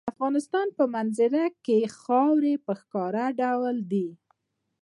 د افغانستان په منظره کې خاوره په ښکاره ډول دي.